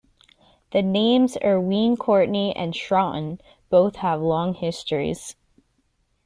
The names Iwerne Courtney and Shroton both have long histories.